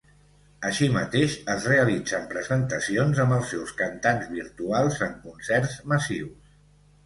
Així mateix, es realitzen presentacions amb els seus cantants virtuals en concerts massius.